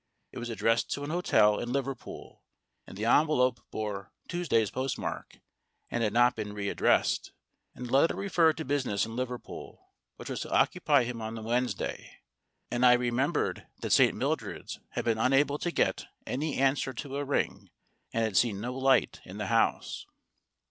It was addressed to an hotel in Liverpool, and the envelope bore Tues day's postmark, and had not been re addressed. And the letter referred to business in Liverpool which was to occupy him on the Wednesday; and I remembered that St. Mildred's had been unable to get any answer to a ring, and had seen no light in the house.